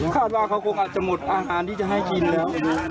คาดว่าเขาคงอาจจะหมดอาหารที่จะให้กินแล้ว